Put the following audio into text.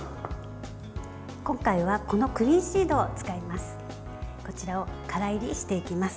今回はこのクミンシードを使います。